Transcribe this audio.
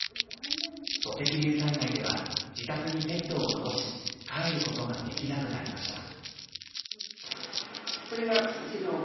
土石流災害では自宅にペットを残し、帰ることができなくなりました。